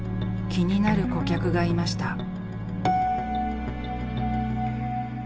気になる顧客がいました。